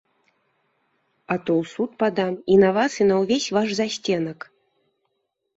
А то ў суд падам і на вас і на ўвесь ваш засценак.